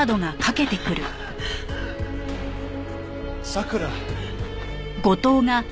さくら。